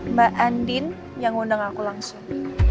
mbak andin yang ngundang aku langsung